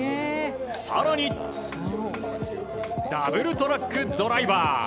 更に、ダブルトラックドライバー。